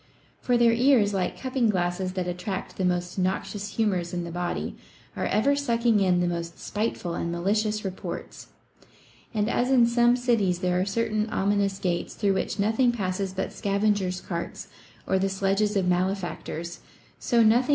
For their ears, like cupping glasses that attract the most noxious humors in the body, are ever sucking in the most spiteful and malicious reports ; and, as in some cities there are certain ominous gates through which nothing passes but scavenger's carts or the sledges of malefactors, so nothing £?